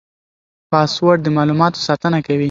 پاسورډ د معلوماتو ساتنه کوي.